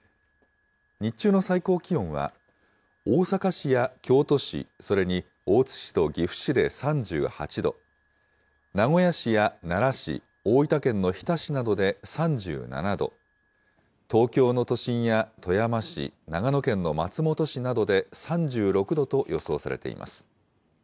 日中の最高気温は、大阪市や京都市、それに大津市と岐阜市で３８度、名古屋市や奈良市、大分県の日田市などで３７度、東京の都心や富山市、長野県の松本市などで３６度と予想されています。